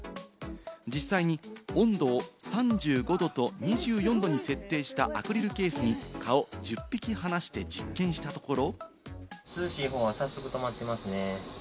実際に温度を３５度と２４度に設定したアクリルケースに蚊を１０匹放して、実験したところ。